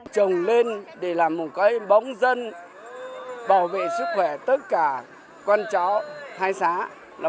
trồng lên để làm một cái bóng dân bảo vệ sức khỏe tất cả con chó hai xã